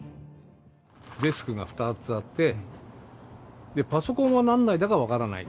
デスクが２つあって、パソコンは何台だか分からない。